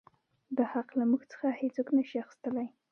دا حـق لـه مـوږ څـخـه هـېڅوک نـه شـي اخيـستلى.